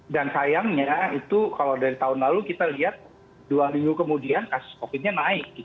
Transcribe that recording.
dan sayangnya itu kalau dari tahun lalu kita lihat dua minggu kemudian kasus covid nya naik